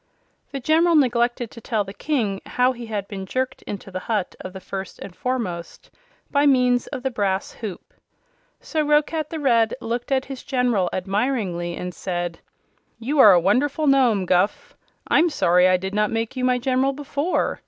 The General neglected to tell the King how he had been jerked into the hut of the First and Foremost by means of the brass hoop. So Roquat the Red looked at his General admiringly and said: "You are a wonderful Nome, Guph. I'm sorry I did not make you my General before.